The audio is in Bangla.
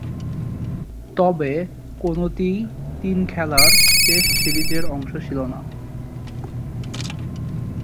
তবে, কোনটিই তিন খেলার টেস্ট সিরিজের অংশ ছিল না।